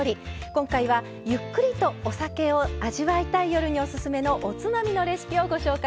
今回はゆっくりとお酒を味わいたい夜にオススメのおつまみのレシピをご紹介します。